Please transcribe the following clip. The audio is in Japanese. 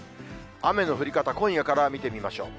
雨の降り方、今夜から見てみましょう。